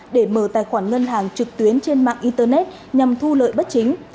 để mở tài khoản ngân hàng trực tuyến trên mạng internet nhằm thu lợi bất chính